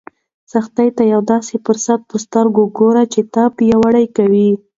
سختۍ ته د یو داسې فرصت په سترګه ګوره چې تا پیاوړی کوي.